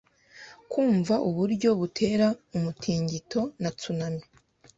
kumva uburyo butera umutingito na tsunami